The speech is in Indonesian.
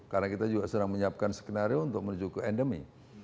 karena kita juga sedang menyiapkan skenario untuk menuju ke endemi